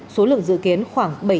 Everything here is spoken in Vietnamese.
số lượng dự kiến khoảng bảy trăm linh